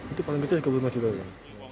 itu paling kecil tiga puluh lima juta ya